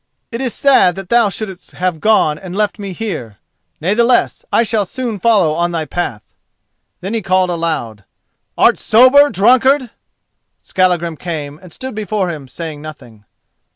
It is sad that thou shouldst have gone and left me here. Natheless, I shall soon follow on thy path." Then he called aloud: "Art sober, drunkard?" Skallagrim came and stood before him, saying nothing.